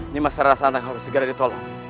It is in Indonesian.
ini masalah rasa anda yang harus segera ditolong